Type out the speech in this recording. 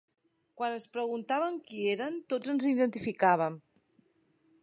Quan ens preguntaven qui érem, tots ens identificàvem.